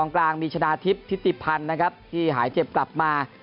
กลางมีชนะทิพย์ทิติพันธ์นะครับที่หายเจ็บกลับมา